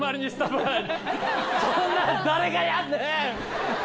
そんなん誰がやんねん！